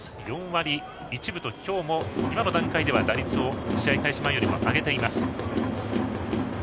４割１分と今日も今の段階では打率を試合開始前よりは上げています。